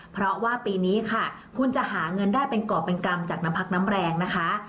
เพราะว่าปีนี้ค่ะคุณจะหาเงินได้เป็นกรอบเป็นกรรมจากน้ำพักน้ำแรงนะคะ